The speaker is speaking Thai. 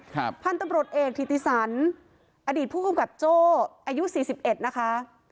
พันธุ์ตำรวจเอกธิติสันอดีตผู้กำกับโจ้อายุสี่สิบเอ็ดนะคะ